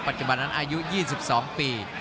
ปัจจุบันนั้นอายุ๒๒ปี